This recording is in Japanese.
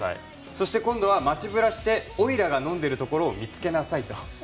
そして今度は街ブラしておいらが飲んでるところを見つけなさいと。